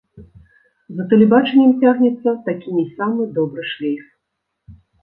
За тэлебачаннем цягнецца такі не самы добры шлейф.